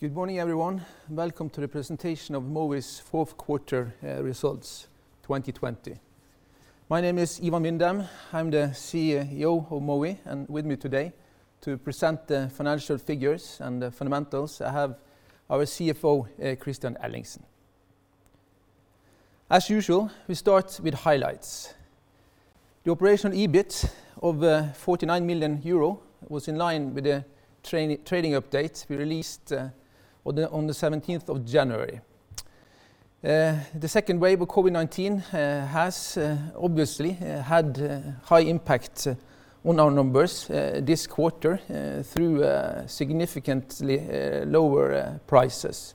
Good morning, everyone. Welcome to the presentation of Mowi's Q4 results 2020. My name is Ivan Vindheim. I'm the CEO of Mowi, and with me today to present the financial figures and the fundamentals, I have our CFO, Kristian Ellingsen. As usual, we start with highlights. The operational EBIT of 49 million euro was in line with the trading update we released on the 17th of January. The second wave of COVID-19 has obviously had high impact on our numbers this quarter through significantly lower prices.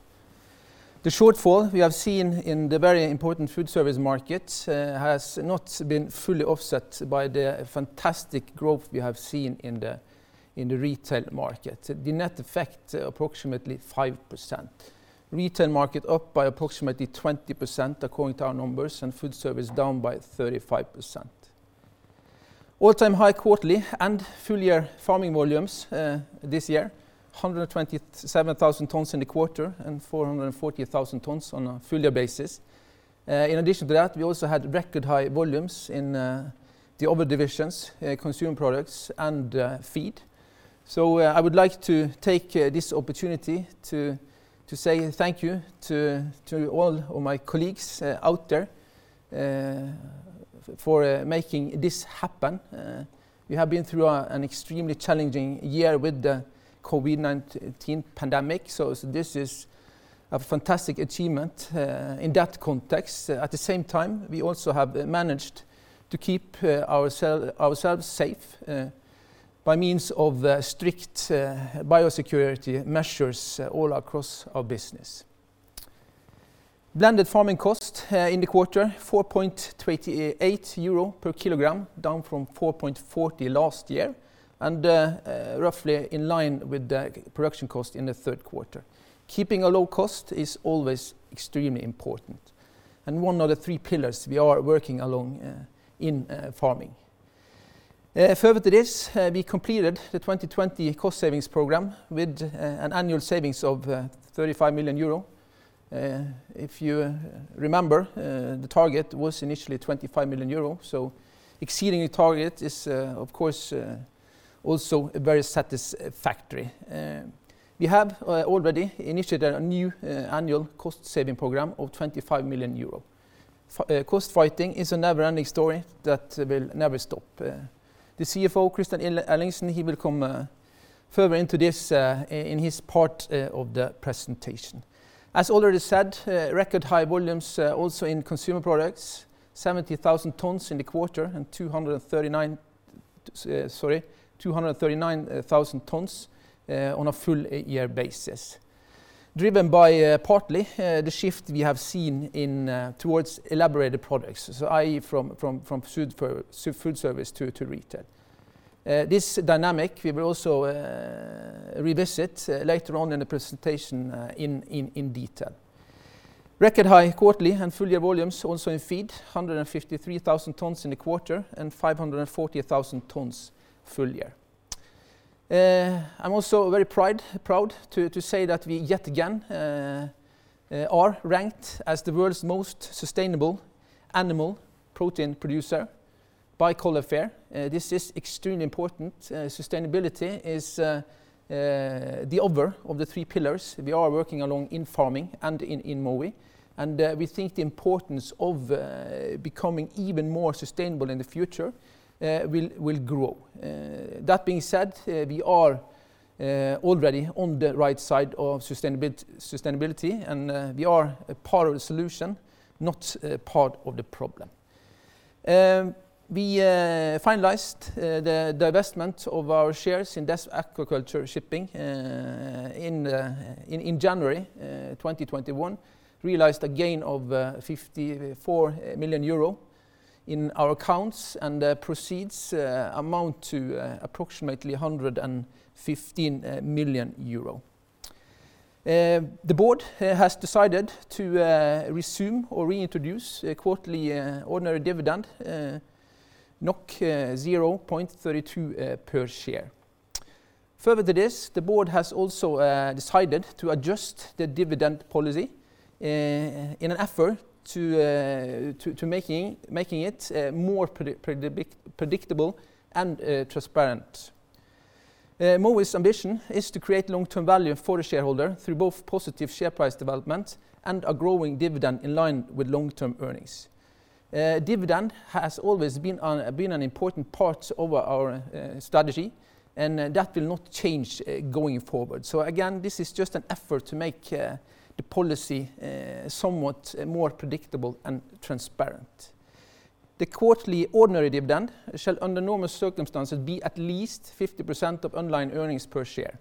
The shortfall we have seen in the very important food service market has not been fully offset by the fantastic growth we have seen in the retail market. The net effect approximately 5%. Retail market up by approximately 20%, according to our numbers, and food service down by 35%. All-time high quarterly and full year farming volumes this year, 127,000 tons in the quarter and 440,000 tons on a full year basis. In addition to that, we also had record high volumes in the other divisions, consumer products and feed. I would like to take this opportunity to say thank you to all of my colleagues out there for making this happen. We have been through an extremely challenging year with the COVID-19 pandemic, this is a fantastic achievement in that context. At the same time, we also have managed to keep ourselves safe by means of strict biosecurity measures all across our business. Blended farming cost in the quarter, 4.28 euro per kilogram, down from 4.40 last year, roughly in line with the production cost in the Q3. Keeping a low cost is always extremely important and one of the three pillars we are working along in farming. Further to this, we completed the 2020 cost savings program with an annual savings of 35 million euro. If you remember, the target was initially 25 million euro, so exceeding the target is, of course, also very satisfactory. We have already initiated a new annual cost-saving program of 25 million euro. Cost fighting is a never-ending story that will never stop. The CFO, Kristian Ellingsen, he will come further into this in his part of the presentation. As already said, record high volumes also in consumer products, 70,000 tons in the quarter and 239,000 tons on a full year basis. Driven by partly the shift we have seen towards elaborated products, i.e. from food service to retail. This dynamic we will also revisit later on in the presentation in detail. Record high quarterly and full year volumes also in feed, 153,000 tons in the quarter and 540,000 tons full year. I'm also very proud to say that we yet again are ranked as the world's most sustainable animal protein producer by Coller FAIRR. This is extremely important. Sustainability is the other of the three pillars we are working along in farming and in Mowi, and we think the importance of becoming even more sustainable in the future will grow. That being said, we are already on the right side of sustainability, and we are a part of the solution, not a part of the problem. We finalized the divestment of our shares in DESS Aquaculture Shipping in January 2021, realized a gain of 54 million euro in our accounts, and the proceeds amount to approximately 115 million euro. The board has decided to resume or reintroduce a quarterly ordinary dividend, 0.32 per share. Further to this, the board has also decided to adjust the dividend policy in an effort to making it more predictable and transparent. Mowi's ambition is to create long-term value for the shareholder through both positive share price development and a growing dividend in line with long-term earnings. Dividend has always been an important part of our strategy, and that will not change going forward. Again, this is just an effort to make the policy somewhat more predictable and transparent. The quarterly ordinary dividend shall under normal circumstances be at least 50% of long-term earnings per share.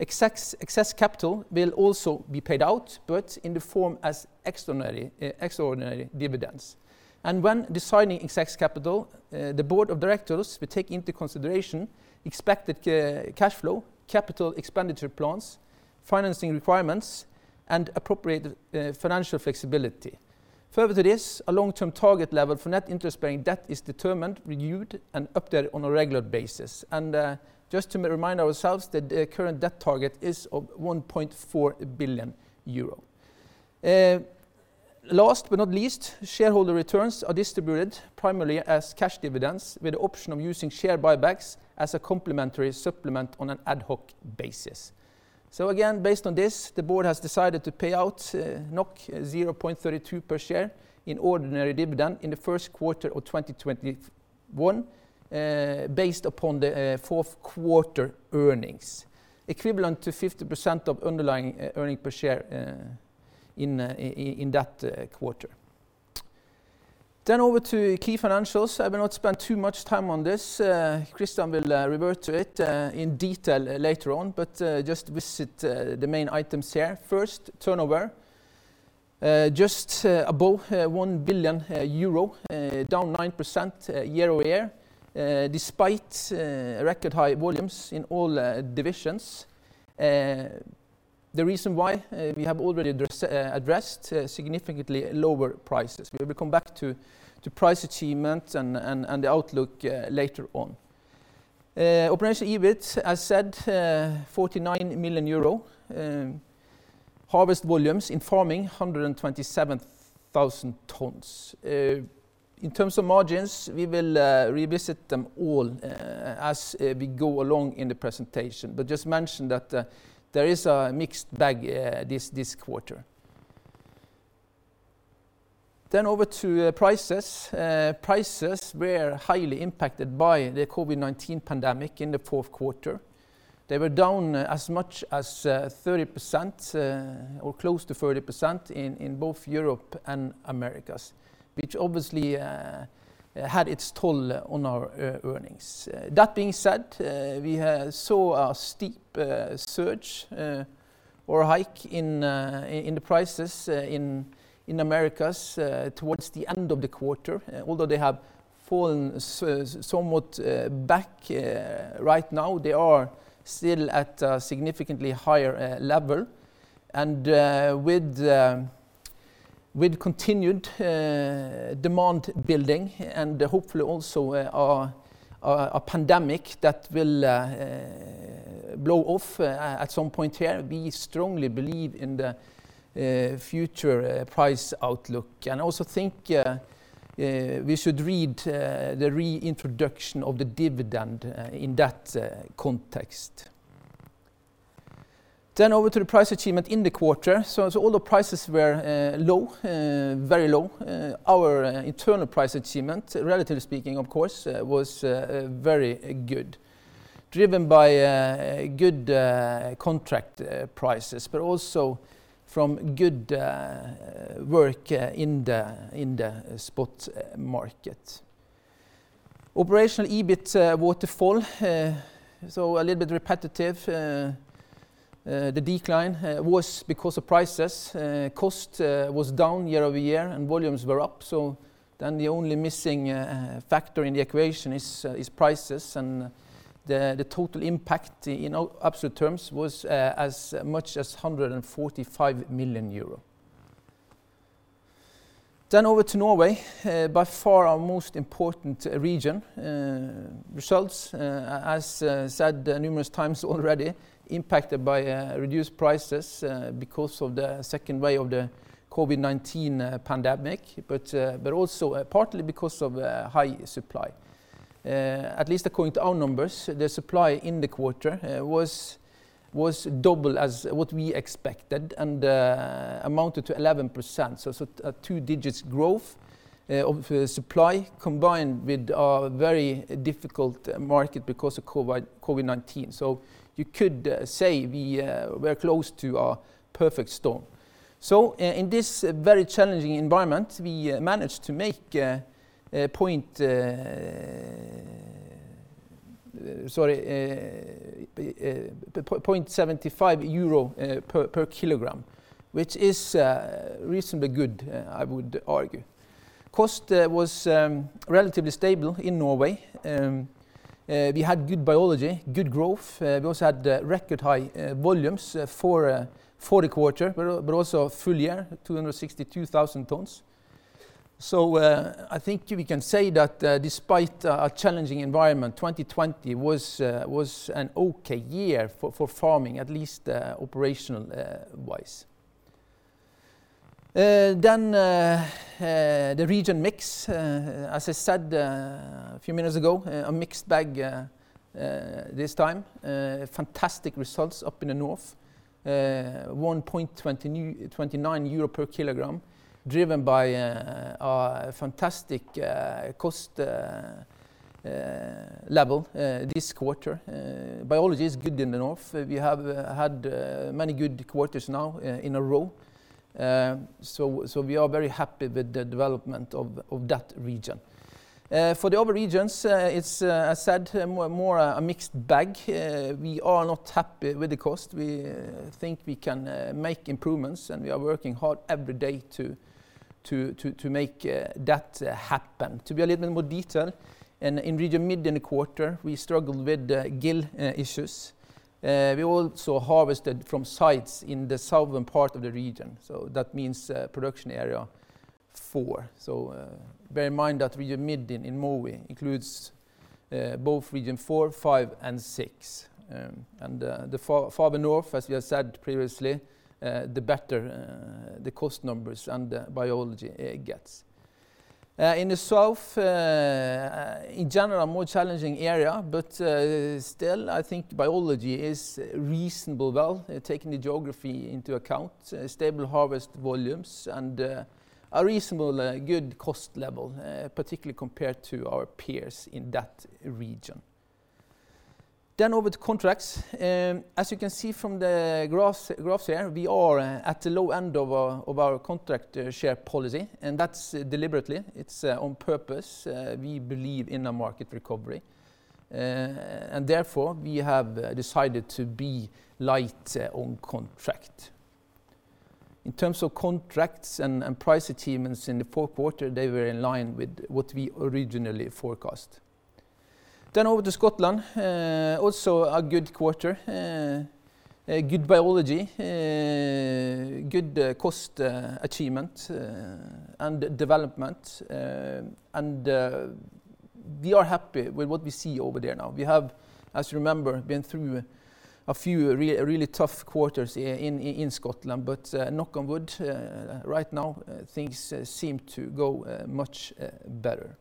Excess capital will also be paid out, but in the form as extraordinary dividends. When deciding excess capital, the board of directors will take into consideration expected cash flow, capital expenditure plans, financing requirements, and appropriate financial flexibility. Further to this, a long-term target level for net interest-bearing debt is determined, reviewed, and updated on a regular basis. Just to remind ourselves that the current debt target is of 1.4 billion euro. Last but not least, shareholder returns are distributed primarily as cash dividends, with the option of using share buybacks as a complementary supplement on an ad hoc basis. Again, based on this, the board has decided to pay out 0.32 per share in ordinary dividend in the Q1 of 2021, based upon the Q4 earnings, equivalent to 50% of underlying earning per share in that quarter. Over to key financials. I will not spend too much time on this. Kristian will revert to it in detail later on, but just to visit the main items here. First, turnover. Just above 1 billion euro, down 9% year-over-year, despite record high volumes in all divisions. The reason why we have already addressed significantly lower prices. We will come back to price achievement and the outlook later on. Operational EBIT, as said 49 million euro. Harvest volumes in farming, 127,000 tons. In terms of margins, we will revisit them all as we go along in the presentation, but just mention that there is a mixed bag this quarter. Over to prices. Prices were highly impacted by the COVID-19 pandemic in the Q4. They were down as much as 30%, or close to 30%, in both Europe and Americas, which obviously had its toll on our earnings. That being said, we saw a steep surge or hike in the prices in Americas towards the end of the quarter. Although they have fallen somewhat back right now, they are still at a significantly higher level. With continued demand building and hopefully also a pandemic that will blow off at some point here, we strongly believe in the future price outlook, and also think we should read the reintroduction of the dividend in that context. Over to the price achievement in the quarter. Although prices were low, very low, our internal price achievement, relatively speaking of course, was very good, driven by good contract prices, but also from good work in the spot market. Operational EBIT waterfall. A little bit repetitive. The decline was because of prices. Cost was down year-over-year and volumes were up, the only missing factor in the equation is prices and the total impact in absolute terms was as much as 145 million euro. Over to Norway. By far our most important region. Results, as said numerous times already, impacted by reduced prices because of the second wave of the COVID-19 pandemic, but also partly because of high supply. At least according to our numbers, the supply in the quarter was double as what we expected, and amounted to 11%. Two-digit growth of supply combined with a very difficult market because of COVID-19. You could say we were close to a perfect storm. In this very challenging environment, we managed to make 0.75 euro per kilogram, which is reasonably good, I would argue. Cost was relatively stable in Norway. We had good biology, good growth. We also had record high volumes for the quarter, also a full year, 262,000 tons. I think we can say that despite a challenging environment, 2020 was an okay year for farming, at least operational-wise. The region mix. As I said a few minutes ago, a mixed bag this time. Fantastic results up in the North. 1.29 euro per kilogram, driven by a fantastic cost level this quarter. Biology is good in the North. We have had many good quarters now in a row. We are very happy with the development of that region. For the other regions, it's as said, more a mixed bag. We are not happy with the cost. We think we can make improvements and we are working hard every day to make that happen. To be a little bit more detailed, in Region Midt in the quarter, we struggled with gill issues. We also harvested from sites in the southern part of the region, so that means production area four. Bear in mind that Region Midt, in Mowi, includes both region four, five, and six. The farther north, as we have said previously, the better the cost numbers and biology gets. In the south, in general, more challenging area, but still, I think biology is reasonably well, taking the geography into account. Stable harvest volumes and a reasonably good cost level, particularly compared to our peers in that region. Over to contracts. As you can see from the graphs here, we are at the low end of our contract share policy, and that's deliberately. It's on purpose. We believe in a market recovery, therefore, we have decided to be light on contract. In terms of contracts and price achievements in the Q4, they were in line with what we originally forecast. Over to Scotland. Also a good quarter. Good biology, good cost achievement and development, we are happy with what we see over there now. We have, as you remember, been through a few really tough quarters in Scotland, knock on wood, right now things seem to go much better.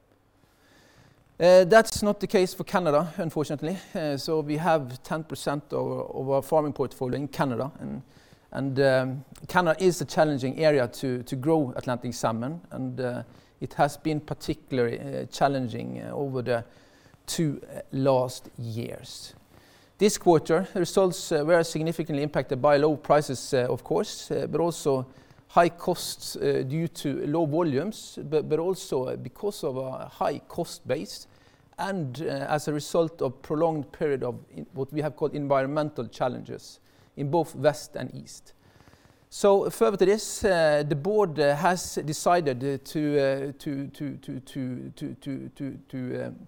That's not the case for Canada, unfortunately. We have 10% of our farming portfolio in Canada is a challenging area to grow Atlantic salmon, it has been particularly challenging over the two last years. This quarter, results were significantly impacted by low prices, of course, but also high costs due to low volumes, but also because of a high cost base, and as a result of prolonged period of what we have called environmental challenges in both west and east. Further to this, the board has decided to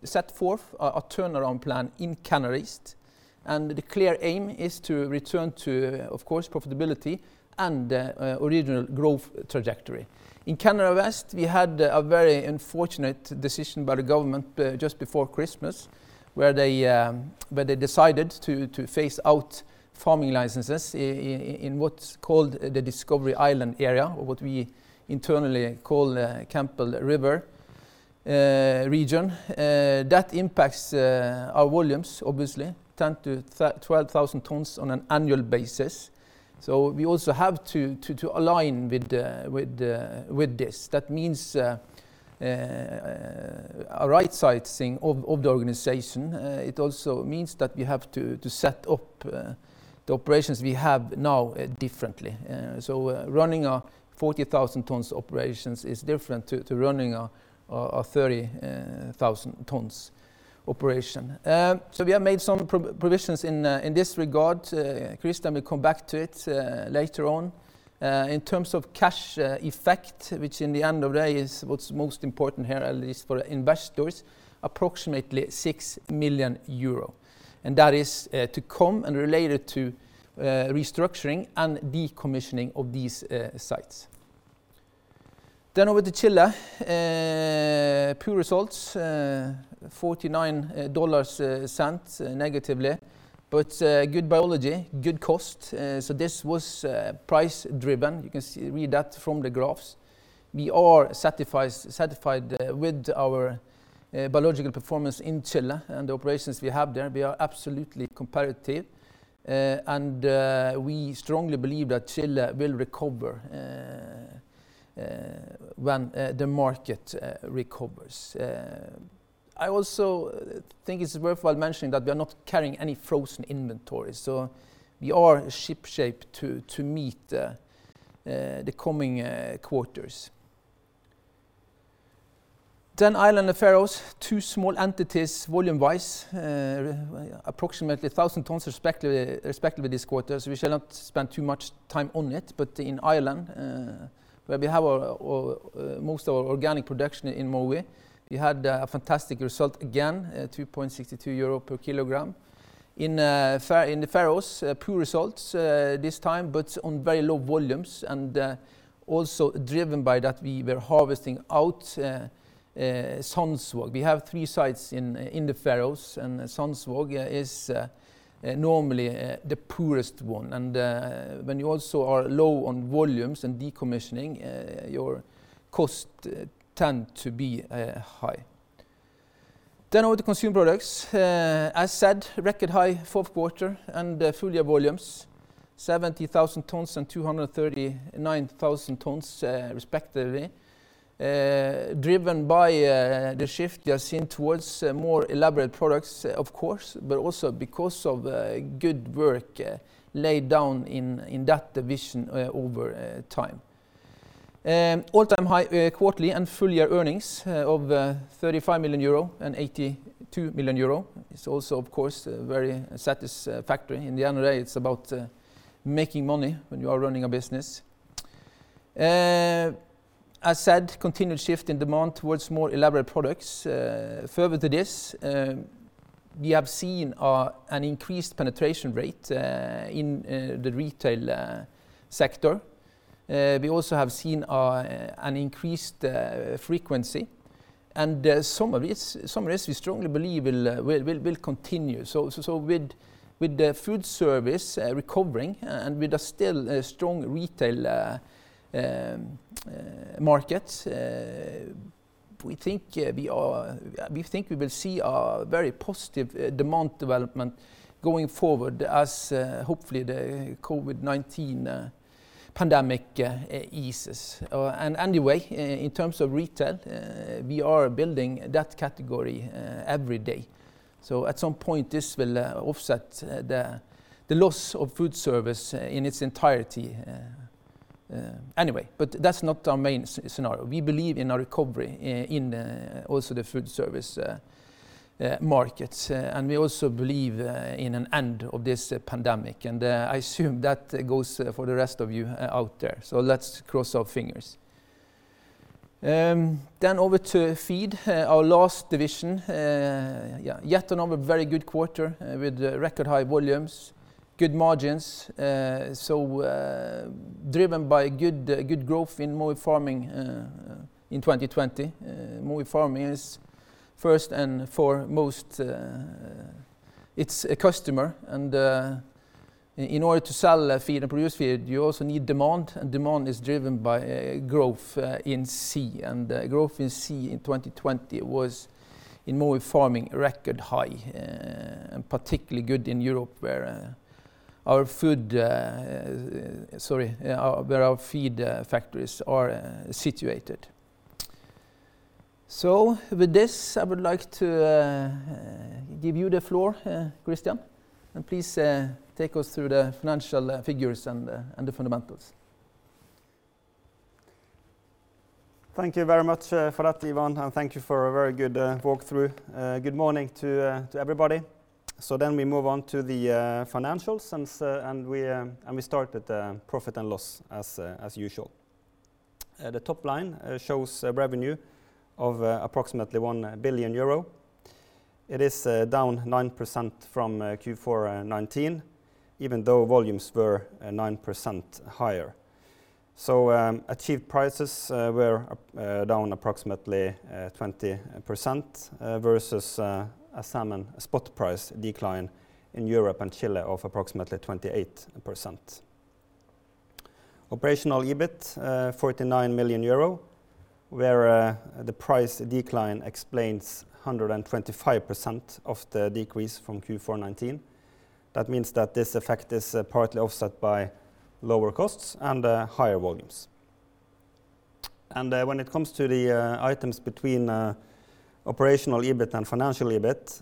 set forth a turnaround plan in Canada East, and the clear aim is to return to, of course, profitability and original growth trajectory. In Canada West, we had a very unfortunate decision by the government just before Christmas, where they decided to phase out farming licenses in what's called the Discovery Islands area, or what we internally call Campbell River region. That impacts our volumes, obviously, 10,000-12,000 tons on an annual basis. We also have to align with this. That means a right-sizing of the organization. It also means that we have to set up the operations we have now differently. Running a 40,000 tons operation is different to running a 30,000 tons operation. We have made some provisions in this regard. Kristian will come back to it later on. In terms of cash effect, which in the end of the day is what's most important here, at least for investors, approximately 6 million euro. That is to come and related to restructuring and decommissioning of these sites. Over to Chile. Poor results. 0.49 negatively, but good biology, good cost. This was price driven. You can read that from the graphs. We are satisfied with our biological performance in Chile and the operations we have there. We are absolutely competitive, and we strongly believe that Chile will recover when the market recovers. I also think it's worthwhile mentioning that we are not carrying any frozen inventory, so we are shipshape to meet the coming quarters. Ireland and the Faroes, two small entities volume-wise. Approximately 1,000 tons respectively this quarter, so we shall not spend too much time on it. In Ireland, where we have most of our organic production in Mowi, we had a fantastic result again, 2.62 euro per kilogram. In the Faroes, poor results this time, but on very low volumes, and also driven by that we were harvesting out Sandsvág. We have three sites in the Faroes, and is normally the poorest one, and when you also are low on volumes and decommissioning, your costs tend to be high. Over to Consumer products. As said, record high Q4 and full year volumes, 70,000 tons and 239,000 tons respectively. Driven by the shift we have seen towards more elaborate products, of course, but also because of good work laid down in that division over time. All-time high quarterly and full year earnings of 35 million euro and 82 million euro is also, of course, very satisfactory. In the end of the day, it's about making money when you are running a business. As said, continued shift in demand towards more elaborate products. Further to this. We have seen an increased penetration rate in the retail sector. We also have seen an increased frequency, some of this we strongly believe will continue. With the food service recovering and with a still strong retail markets, we think we will see a very positive demand development going forward as hopefully the COVID-19 pandemic eases. Anyway, in terms of retail, we are building that category every day. At some point this will offset the loss of food service in its entirety anyway, but that's not our main scenario. We believe in a recovery in also the food service markets. We also believe in an end of this pandemic, and I assume that goes for the rest of you out there. Let's cross our fingers. Over to Feed, our last division. Yet another very good quarter with record high volumes, good margins, so driven by good growth in Mowi Farming in 2020. Mowi Farming is first and foremost, it's a customer and in order to sell feed and produce feed, you also need demand, and demand is driven by growth in sea, and growth in sea in 2020 was, in Mowi Farming, record high, and particularly good in Europe where our feed factories are situated. With this, I would like to give you the floor, Kristian, and please take us through the financial figures and the fundamentals. Thank you very much for that, Ivan, and thank you for a very good walkthrough. Good morning to everybody. We move on to the financials and we start with profit and loss as usual. The top line shows revenue of approximately 1 billion euro. It is down 9% from Q4 2019, even though volumes were 9% higher. Achieved prices were down approximately 20% versus a salmon spot price decline in Europe and Chile of approximately 28%. Operational EBIT, 49 million euro, where the price decline explains 125% of the decrease from Q4 2019. That means that this effect is partly offset by lower costs and higher volumes. When it comes to the items between operational EBIT and financial EBIT,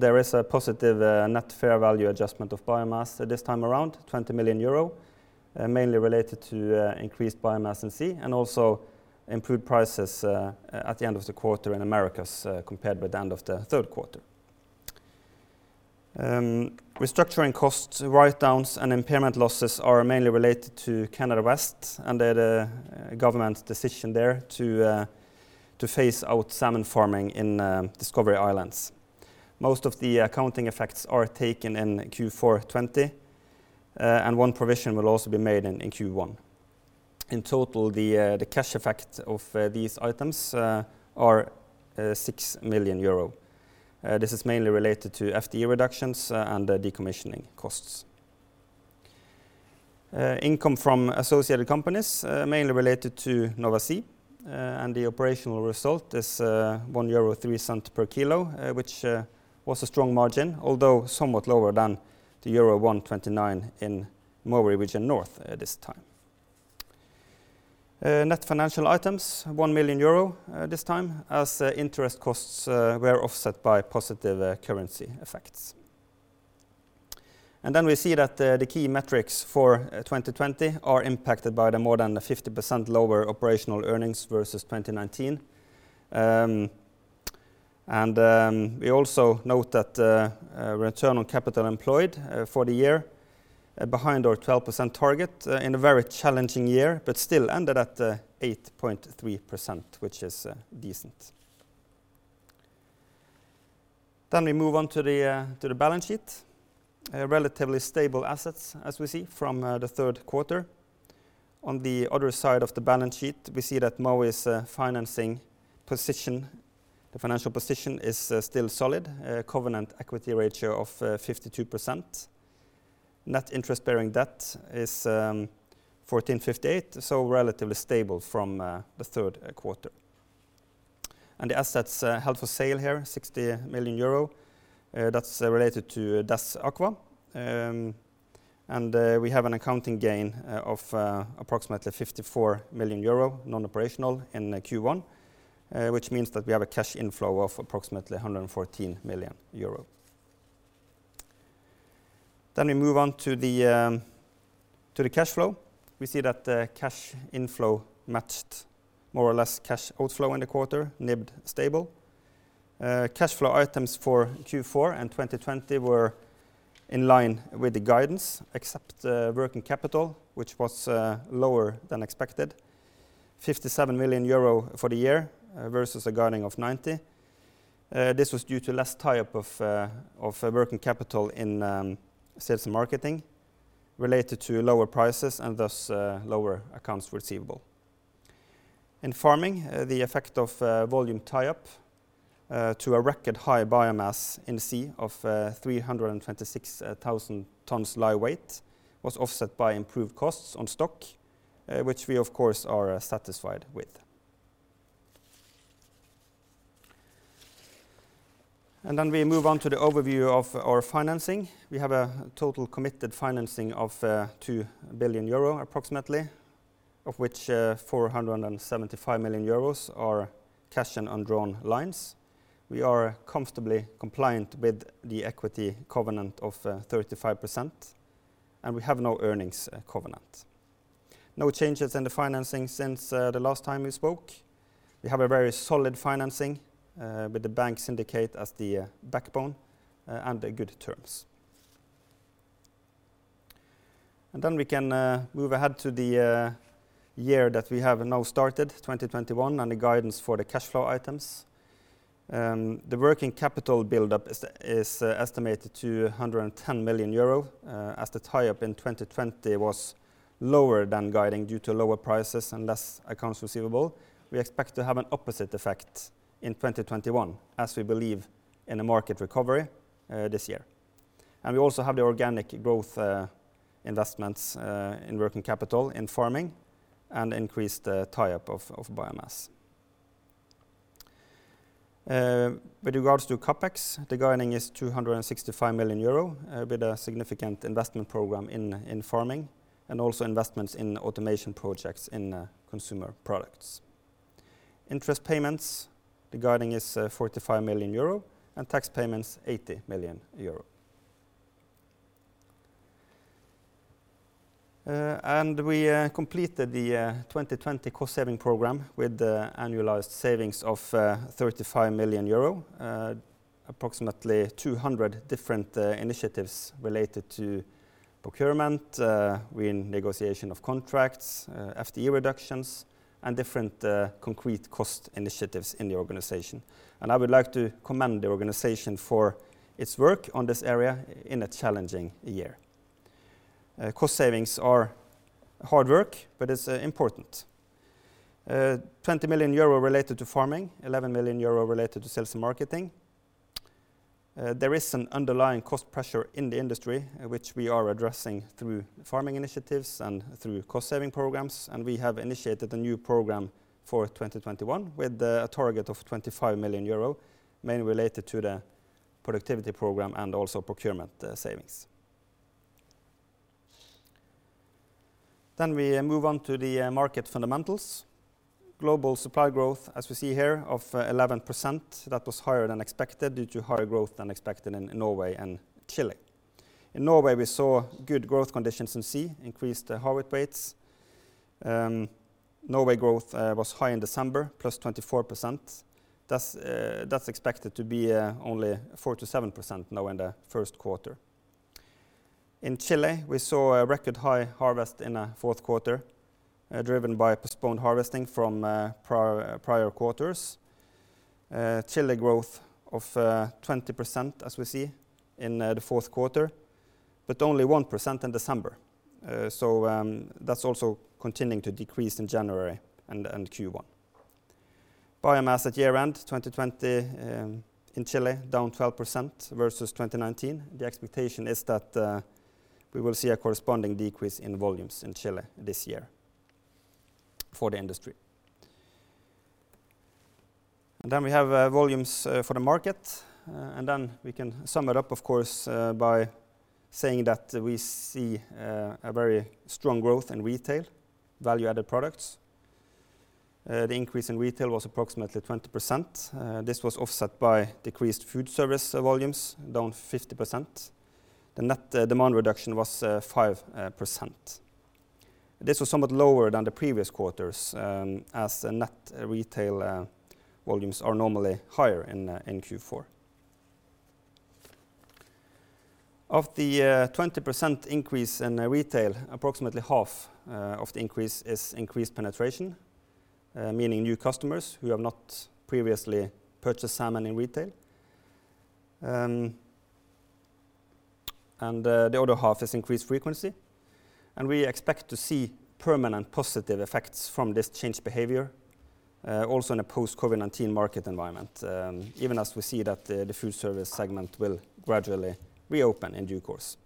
there is a positive net fair value adjustment of biomass this time around 20 million euro, mainly related to increased biomass in sea, and also improved prices at the end of the quarter in Americas, compared with the end of the Q3. Restructuring costs, write-downs, and impairment losses are mainly related to Canada West and the government decision there to phase out salmon farming in Discovery Islands. Most of the accounting effects are taken in Q4 2020, and one provision will also be made in Q1. In total, the cash effect of these items are 6 million euro. This is mainly related to FTE reductions and the decommissioning costs. Income from associated companies, mainly related to Nova Sea. The operational result is 1.03 euro per kilo, which was a strong margin, although somewhat lower than euro 1.29 in Mowi Region North at this time. Net financial items, 1 million euro this time, as interest costs were offset by positive currency effects. We see that the key metrics for 2020 are impacted by the more than 50% lower operational earnings versus 2019. We also note that return on capital employed for the year, behind our 12% target in a very challenging year but still ended at 8.3%, which is decent. We move on to the balance sheet. Relatively stable assets as we see from the Q3. On the other side of the balance sheet, we see that Mowi's financial position is still solid. Covenant equity ratio of 52%. Net interest-bearing debt is 1,458, so relatively stable from the Q3. The assets held for sale here, 60 million euro, that's related to DESS Aqua. We have an accounting gain of approximately 54 million euro, non-operational in Q1, which means that we have a cash inflow of approximately 114 million euro. We move on to the cash flow. We see that the cash inflow matched more or less cash outflow in the quarter, NIBD stable. Cash flow items for Q4 2020 were in line with the guidance, except working capital, which was lower than expected, 57 million euro for the year versus a guiding of 90. This was due to less tie-up of working capital in sales and marketing related to lower prices and thus lower accounts receivable. In farming, the effect of volume tie-up to a record high biomass in sea of 326,000 tons live weight was offset by improved costs on stock, which we of course are satisfied with. We move on to the overview of our financing. We have a total committed financing of 2 billion euro approximately, of which 475 million euros are cash and undrawn lines. We are comfortably compliant with the equity covenant of 35%, and we have no earnings covenant. No changes in the financing since the last time we spoke. We have a very solid financing with the bank syndicate as the backbone and good terms. We can move ahead to the year that we have now started, 2021, and the guidance for the cash flow items. The working capital buildup is estimated to 110 million euro, as the tie-up in 2020 was lower than guiding due to lower prices and less accounts receivable. We expect to have an opposite effect in 2021, as we believe in a market recovery this year. We also have the organic growth investments in working capital in farming and increased tie-up of biomass. With regards to CapEx, The guiding is 265 million euro with a significant investment program in farming and also investments in automation projects in consumer products. Interest payments, the guiding is 45 million euro, and tax payments 80 million euro. We completed the 2020 cost-saving program with the annualized savings of 35 million euro. Approximately 200 different initiatives related to procurement, win negotiation of contracts, FTE reductions, and different concrete cost initiatives in the organization. I would like to commend the organization for its work on this area in a challenging year. Cost savings are hard work, but it's important. 20 million euro related to farming, 11 million euro related to sales and marketing. There is an underlying cost pressure in the industry, which we are addressing through farming initiatives and through cost-saving programs, and we have initiated a new program for 2021 with a target of 25 million euro, mainly related to the productivity program and also procurement savings. We move on to the market fundamentals. Global supply growth, as we see here, of 11%. That was higher than expected due to higher growth than expected in Norway and Chile. In Norway, we saw good growth conditions in sea, increased harvest rates. Norway growth was high in December, +24%. That's expected to be only 47% now in the Q1. In Chile, we saw a record high harvest in Q4, driven by postponed harvesting from prior quarters. Chile growth of 20%, as we see, in the Q4, but only 1% in December. That's also continuing to decrease in January and Q1. Biomass at year-end 2020 in Chile down 12% versus 2019. The expectation is that we will see a corresponding decrease in volumes in Chile this year for the industry. We have volumes for the market. We can sum it up, of course, by saying that we see a very strong growth in retail, value-added products. The increase in retail was approximately 20%. This was offset by decreased food service volumes down 50%. The net demand reduction was 5%. This was somewhat lower than the previous quarters, as net retail volumes are normally higher in Q4. Of the 20% increase in retail, approximately half of the increase is increased penetration, meaning new customers who have not previously purchased salmon in retail. The other half is increased frequency, and we expect to see permanent positive effects from this changed behavior, also in a post-COVID-19 market environment, even as we see that the food service segment will gradually reopen in due course.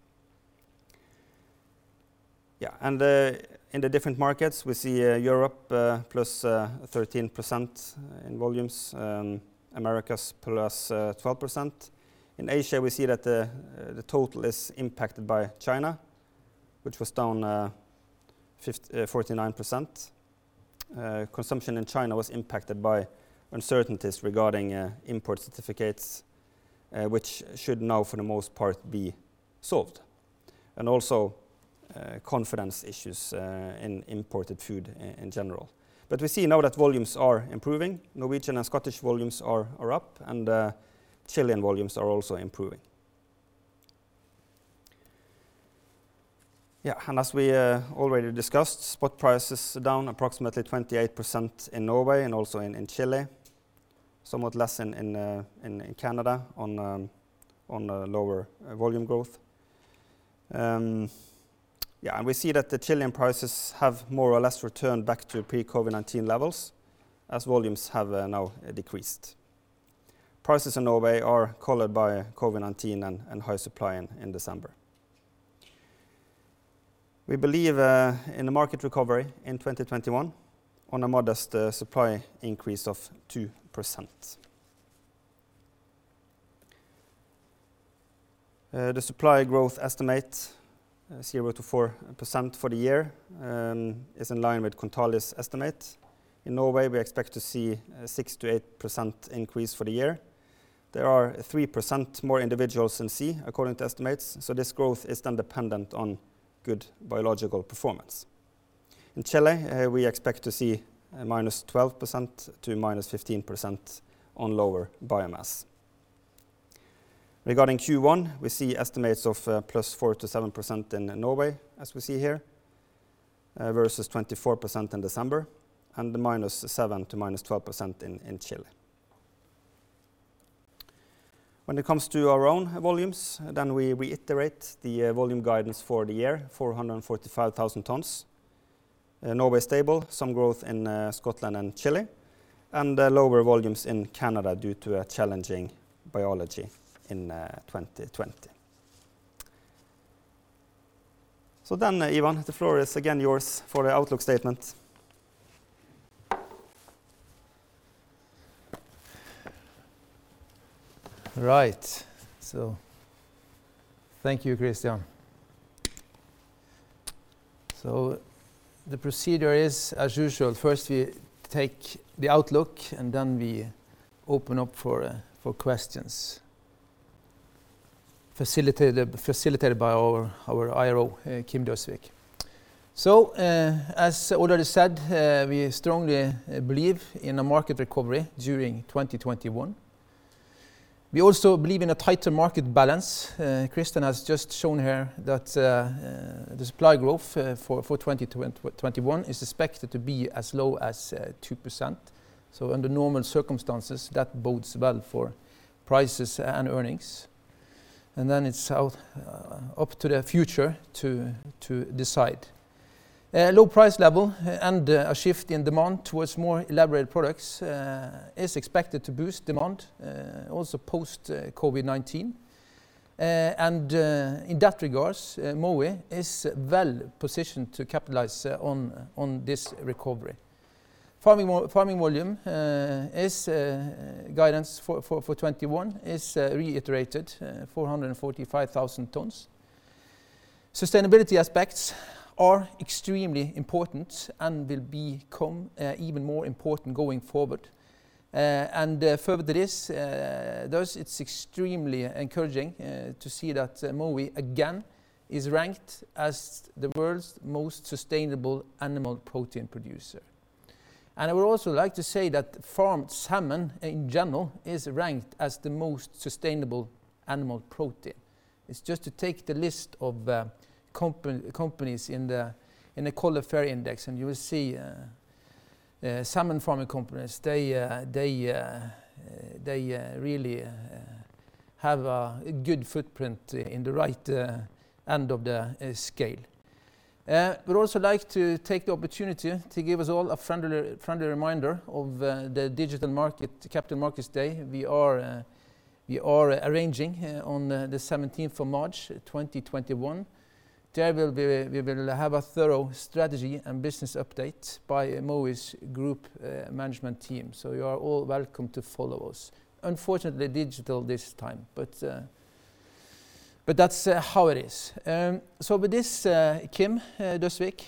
In the different markets, we see Europe +13% in volumes, Americas +12%. In Asia, we see that the total is impacted by China, which was down 49%. Consumption in China was impacted by uncertainties regarding import certificates, which should now for the most part be solved, and also confidence issues in imported food in general. We see now that volumes are improving. Norwegian and Scottish volumes are up, Chilean volumes are also improving. As we already discussed, spot prices are down approximately 28% in Norway and also in Chile. Somewhat less in Canada on a lower volume growth. We see that the Chilean prices have more or less returned back to pre-COVID-19 levels as volumes have now decreased. Prices in Norway are colored by COVID-19 and high supply in December. We believe in the market recovery in 2021 on a modest supply increase of 2%. The supply growth estimate 0-4% for the year is in line with Kontali's estimate. In Norway, we expect to see a 6-8% increase for the year. There are 3% more individuals in sea according to estimates, this growth is then dependent on good biological performance. In Chile, we expect to see a -12% to -15% on lower biomass. Regarding Q1, we see estimates of +4% to 7% in Norway as we see here, versus 24% in December, and the -7% to -12% in Chile. When it comes to our own volumes, then we reiterate the volume guidance for the year, 445,000 tons. Norway stable, some growth in Scotland and Chile, and lower volumes in Canada due to a challenging biology in 2020. Ivan, the floor is again yours for the outlook statement. Right. Thank you, Kristian. The procedure is as usual, first we take the outlook and then we open up for questions facilitated by our IRO, Kim Døsvig. As already said, we strongly believe in a market recovery during 2021. We also believe in a tighter market balance. Kristian has just shown here that the supply growth for 2021 is suspected to be as low as 2%. Under normal circumstances that bodes well for prices and earnings. It's up to the future to decide. A low price level and a shift in demand towards more elaborate products is expected to boost demand, also post COVID-19. In that regards, Mowi is well-positioned to capitalize on this recovery. Farming volume guidance for 2021 is reiterated 445,000 tons. Sustainability aspects are extremely important and will become even more important going forward. Further it is, thus it's extremely encouraging to see that Mowi again is ranked as the world's most sustainable animal protein producer. I would also like to say that farmed salmon in general is ranked as the most sustainable animal protein. It's just to take the list of companies in the Coller FAIRR Index, and you will see salmon farming companies they really have a good footprint in the right end of the scale. I would also like to take the opportunity to give us all a friendly reminder of the digital Capital Markets Day we are arranging on the 17th of March 2021. There we will have a thorough strategy and business update by Mowi's group management team, so you are all welcome to follow us. Unfortunately, digital this time, but that's how it is. With this, Kim Døsvig,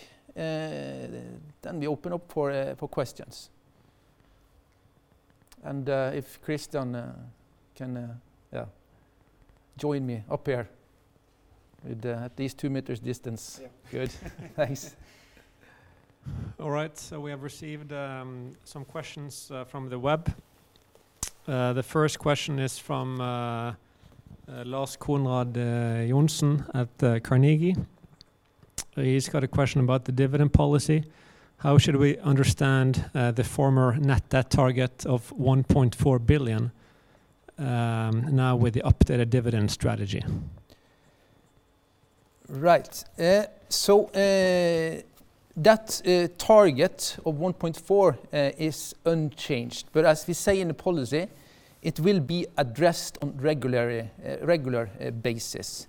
we open up for questions. If Kristian can join me up here with at least two meters distance. Yeah. Good. Thanks. All right, we have received some questions from the web. The first question is from Lars Konrad Johnsen at Carnegie. He's got a question about the dividend policy. How should we understand the former net debt target of 1.4 billion now with the updated dividend strategy? Right. That target of 1.4 is unchanged, but as we say in the policy, it will be addressed on regular basis.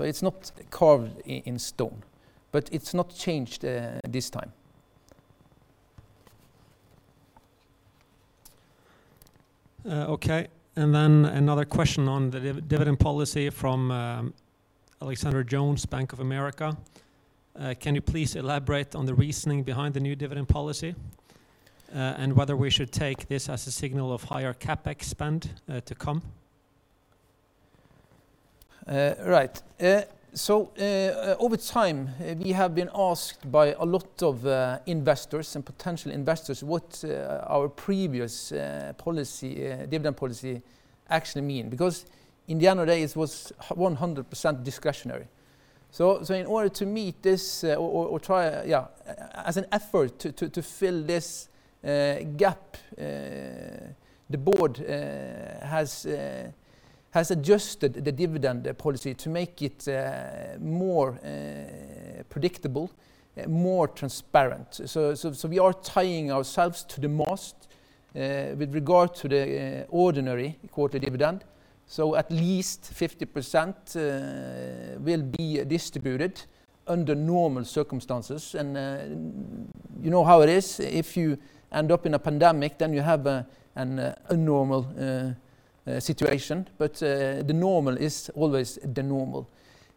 It's not carved in stone, but it's not changed this time. Okay. Another question on the dividend policy from Alexander Jones, Bank of America. Can you please elaborate on the reasoning behind the new dividend policy, and whether we should take this as a signal of higher CapEx spend to come? Right. Over time we have been asked by a lot of investors and potential investors what our previous dividend policy actually mean. In the end of the day, it was 100% discretionary. In order to meet this, or as an effort to fill this gap, the board has adjusted the dividend policy to make it more predictable and more transparent. We are tying ourselves to the mast with regard to the ordinary quarterly dividend. At least 50% will be distributed under normal circumstances. You know how it is, if you end up in a pandemic, then you have an abnormal situation, but the normal is always the normal.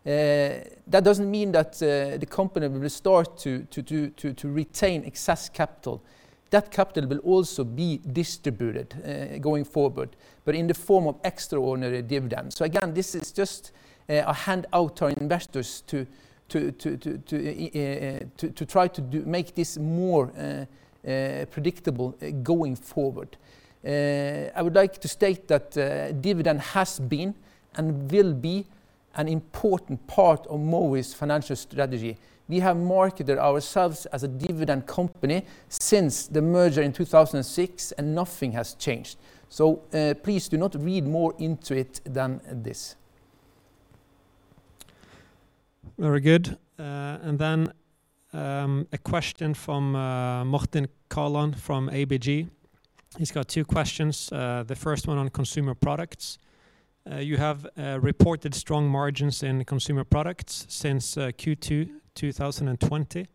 That doesn't mean that the company will start to retain excess capital. That capital will also be distributed going forward, but in the form of extraordinary dividends. Again, this is just a hand out to our investors to try to make this more predictable going forward. I would like to state that dividend has been and will be an important part of Mowi's financial strategy. We have marketed ourselves as a dividend company since the merger in 2006, and nothing has changed. Please do not read more into it than this. Very good. A question from Martin Kaland from ABG. He's got two questions, the first one on consumer products. You have reported strong margins in consumer products since Q2 2020.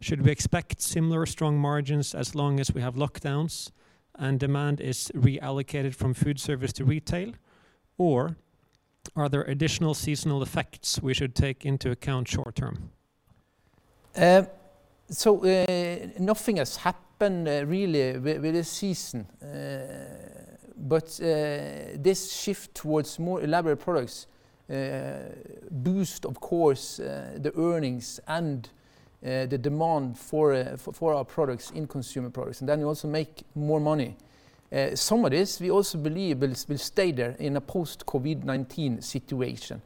Should we expect similar strong margins as long as we have lockdowns and demand is reallocated from food service to retail, or are there additional seasonal effects we should take into account short term? Nothing has happened really with this season. This shift towards more elaborate products boost, of course, the earnings and the demand for our products in consumer products, and then you also make more money. Some of this we also believe will stay there in a post-COVID-19 situation.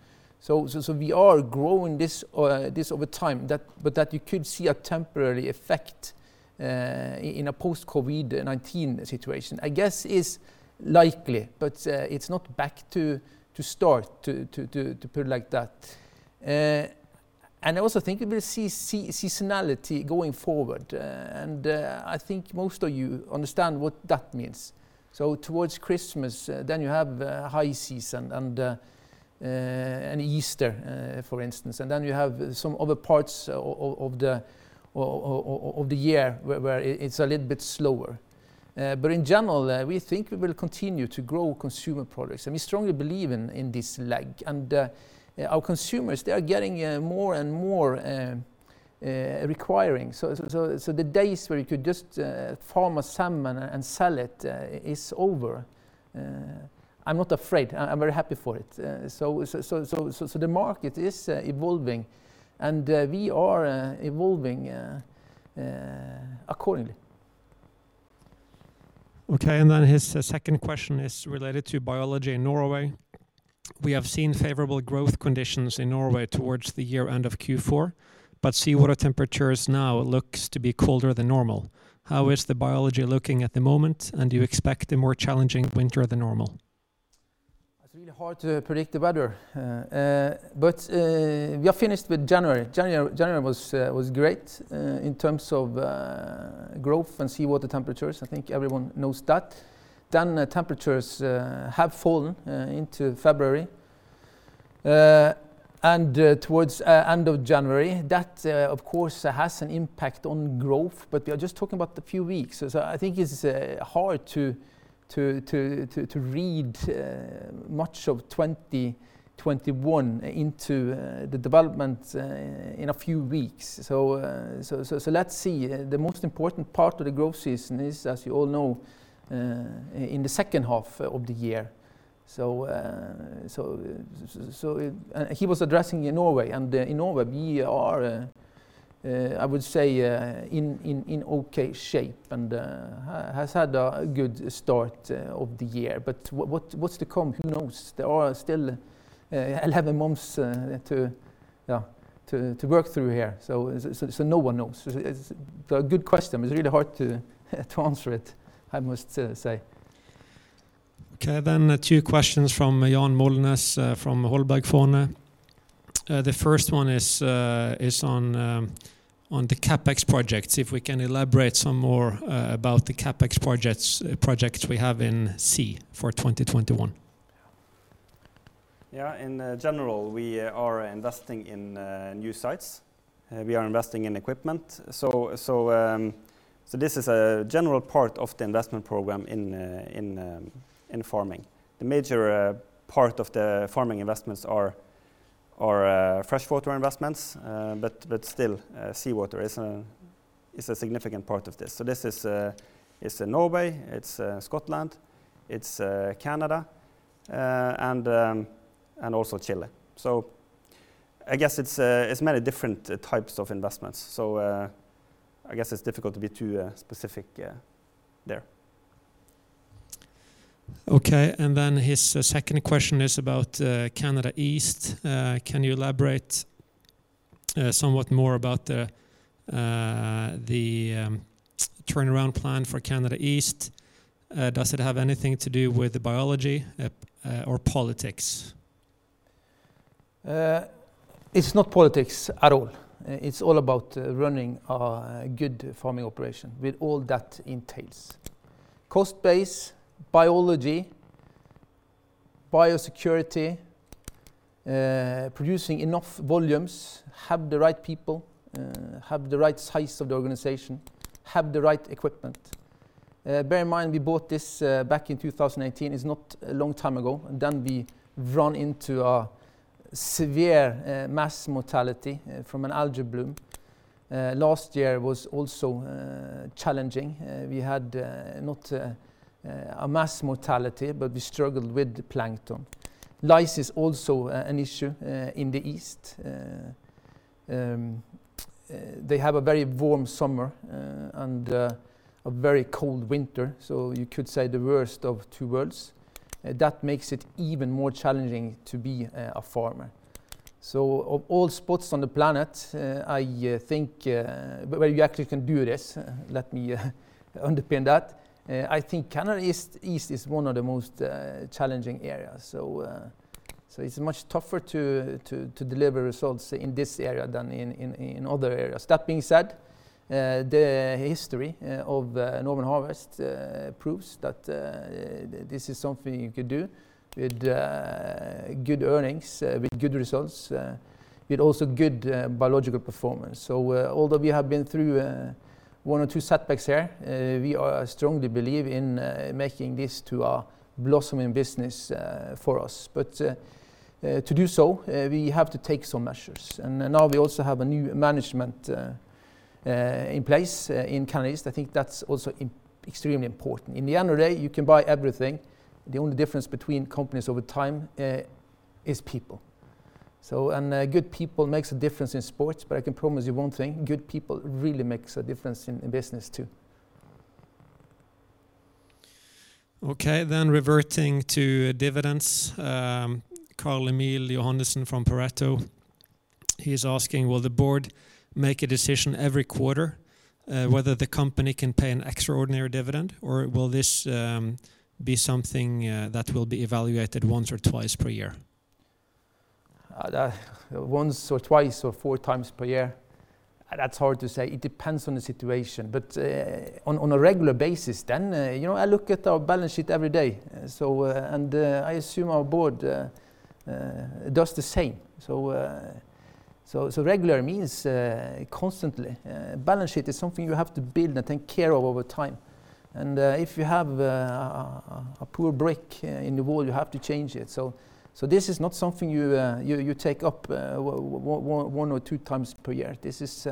We are growing this over time. That you could see a temporary effect in a post-COVID-19 situation, I guess, is likely, but it's not back to start, to put it like that. I also think it will see seasonality going forward, and I think most of you understand what that means. Towards Christmas, then you have high season, and Easter, for instance. Then you have some other parts of the year where it's a little bit slower. In general, we think we will continue to grow consumer products, and we strongly believe in this lag. Our consumers, they are getting more and more requiring. The days where you could just farm a salmon and sell it is over. I'm not afraid. I'm very happy for it. The market is evolving, and we are evolving accordingly. Okay, his second question is related to biology in Norway. We have seen favorable growth conditions in Norway towards the year end of Q4, but seawater temperatures now looks to be colder than normal. How is the biology looking at the moment, and do you expect a more challenging winter than normal? It's really hard to predict the weather. We are finished with January. January was great in terms of growth and seawater temperatures. I think everyone knows that. Temperatures have fallen into February and towards end of January. That, of course, has an impact on growth, but we are just talking about a few weeks. I think it's hard to read much of 2021 into the development in a few weeks. Let's see. The most important part of the growth season is, as you all know, in the second half of the year. He was addressing in Norway, and in Norway, we are, I would say, in okay shape and has had a good start of the year. What's to come? Who knows? There are still 11 months to work through here, so no one knows. It's a good question, but it's really hard to answer it, I must say. Okay, two questions from Jan Molnes from Holberg Fondene. The first one is on the CapEx projects, if we can elaborate some more about the CapEx projects we have in sea for 2021. Yeah, in general, we are investing in new sites. We are investing in equipment. This is a general part of the investment program in farming. The major part of the farming investments are freshwater investments, but still, seawater is a significant part of this. This is Norway, it's Scotland, it's Canada, and also Chile. I guess it's many different types of investments. I guess it's difficult to be too specific there. Okay, his second question is about Canada East. Can you elaborate somewhat more about the turnaround plan for Canada East? Does it have anything to do with biology or politics? It's not politics at all. It's all about running a good farming operation with all that entails. Cost base, biology, biosecurity, producing enough volumes, have the right people, have the right size of the organization, have the right equipment. Bear in mind, we bought this back in 2018. It's not a long time ago. We run into a severe mass mortality from an algae bloom. Last year was also challenging. We had not a mass mortality, but we struggled with the plankton. Lice is also an issue in the east. They have a very warm summer and a very cold winter, you could say the worst of two worlds. That makes it even more challenging to be a farmer. Of all spots on the planet where you actually can do this, let me underpin that, I think Canada East is one of the most challenging areas. It's much tougher to deliver results in this area than in other areas. That being said, the history of Northern Harvest proves that this is something you could do with good earnings, with good results, with also good biological performance. Although we have been through one or two setbacks here, we strongly believe in making this to a blossoming business for us. To do so, we have to take some measures. Now we also have a new management in place in Canada East. I think that's also extremely important. In the end of the day, you can buy everything. The only difference between companies over time is people. Good people makes a difference in sports, but I can promise you one thing, good people really makes a difference in business, too. Okay, reverting to dividends, Carl-Emil Johannesson from Pareto, he's asking, will the board make a decision every quarter whether the company can pay an extraordinary dividend, or will this be something that will be evaluated once or twice per year? Once or twice or 4x per year, that's hard to say. It depends on the situation. On a regular basis then, I look at our balance sheet every day, and I assume our board does the same. Regular means constantly. Balance sheet is something you have to build and take care of over time. If you have a poor brick in the wall, you have to change it. This is not something you take up one or 2x per year. This is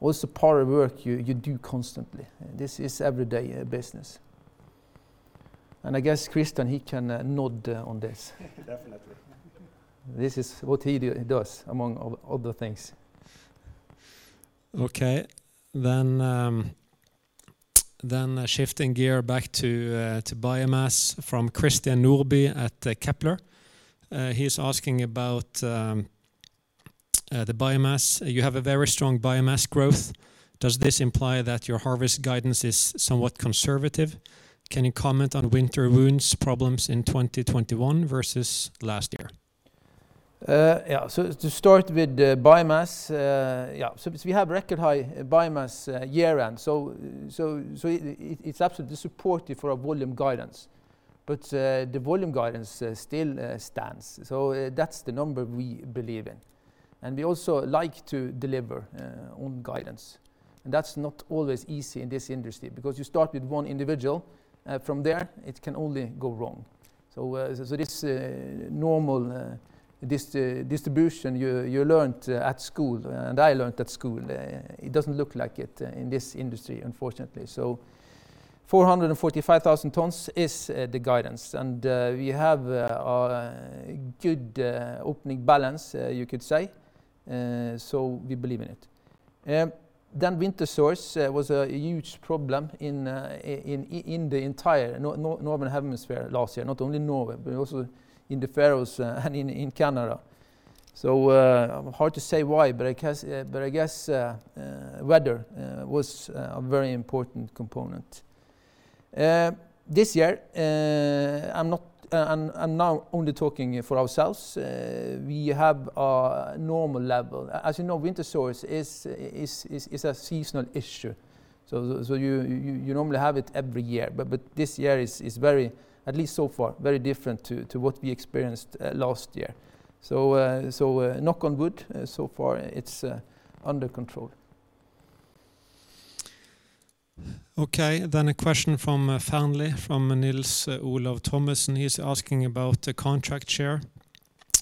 also part of work you do constantly. This is everyday business. I guess Kristian, he can nod on this. Definitely. This is what he does, among other things. Okay. Shifting gear back to biomass from Christian Nordby at Kepler. He's asking about the biomass. You have a very strong biomass growth. Does this imply that your harvest guidance is somewhat conservative? Can you comment on winter wounds problems in 2021 versus last year? To start with biomass, so we have record high biomass year end, so it's absolutely supportive for our volume guidance. The volume guidance still stands. That's the number we believe in. We also like to deliver on guidance. That's not always easy in this industry because you start with one individual. From there, it can only go wrong. This normal distribution you learned at school and I learned at school, it doesn't look like it in this industry, unfortunately. 445,000 tons is the guidance, and we have a good opening balance, you could say. We believe in it. Winter sores was a huge problem in the entire northern hemisphere last year, not only Norway, but also in the Faroes and in Canada. Hard to say why, but I guess weather was a very important component. This year, I'm now only talking for ourselves. We have a normal level. As you know, winter sores is a seasonal issue, so you normally have it every year, but this year is very, at least so far, very different to what we experienced last year. Knock on wood. So far it's under control. Okay, a question from Fearnley, from Nils-Oliver Thomassen. He's asking about the contract share.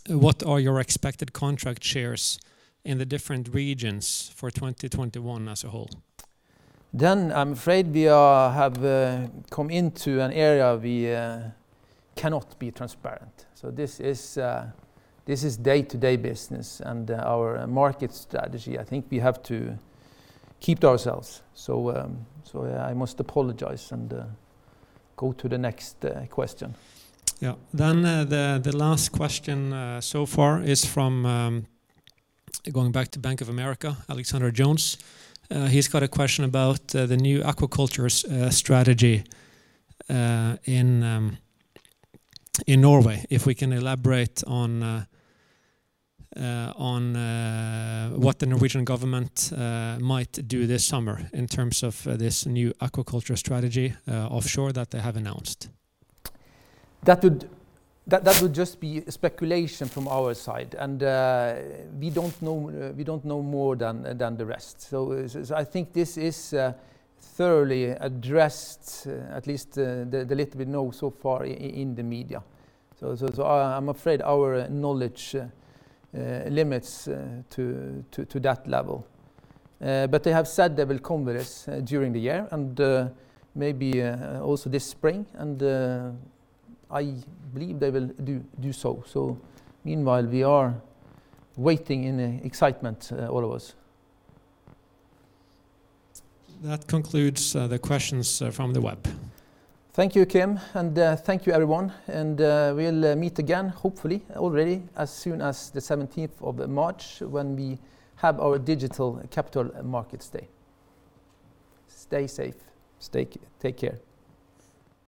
What are your expected contract shares in the different regions for 2021 as a whole? I'm afraid we have come into an area we cannot be transparent. This is day-to-day business and our market strategy. I think we have to keep to ourselves. I must apologize and go to the next question. Yeah. The last question so far is from, going back to Bank of America, Alexander Jones. He's got a question about the new aquaculture strategy in Norway, if we can elaborate on what the Norwegian government might do this summer in terms of this new aquaculture strategy offshore that they have announced. That would just be speculation from our side. We don't know more than the rest. I think this is thoroughly addressed, at least the little we know so far, in the media. I'm afraid our knowledge limits to that level. They have said they will come with us during the year and maybe also this spring, and I believe they will do so. Meanwhile, we are waiting in excitement, all of us. That concludes the questions from the web. Thank you, Kim, and thank you, everyone, and we'll meet again, hopefully, already as soon as the 17th of March, when we have our digital Capital Markets Day. Stay safe. Take care.